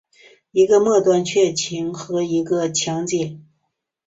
一个末端炔烃和一个强碱。